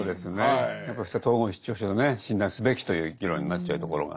やっぱり統合失調症でね診断すべきという議論になっちゃうところが。